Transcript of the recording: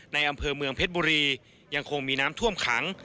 อำเภอเมืองเพชรบุรียังคงมีน้ำท่วมขัง